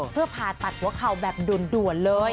เพื่อผ่าตัดหัวเข่าแบบด่วนเลย